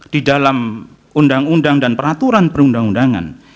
di dalam undang undang dan peraturan perundang undangan